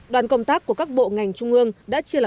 đoàn công tác của các bộ ngành trung ương đã chia lập